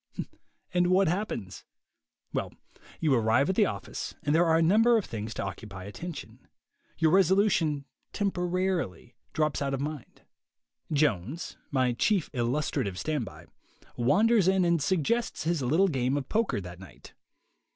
And what happens?. Well, you arrive at the office and there are a number of things to occupy attention; your resolution, temporarily, drops out of mind. Jones (my chief illustrative standby) wanders in and suggests his little game of poker that night.